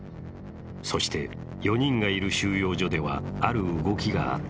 そして、４人がいる収容所ではある動きがあった。